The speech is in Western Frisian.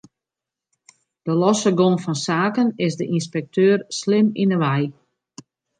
De losse gong fan saken is de ynspekteur slim yn 'e wei.